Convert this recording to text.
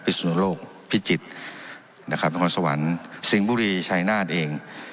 สุนโลกพิจิตรนะครับนครสวรรค์สิงห์บุรีชายนาฏเอง